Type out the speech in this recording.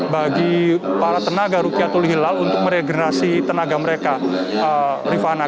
bagi para tenaga rukiatul hilal untuk meregenerasi tenaga mereka rifana